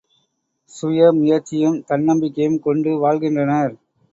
சுய முயற்சியும் தன் நம்பிக்கையும் கொண்டு வாழ்கின்றனர்.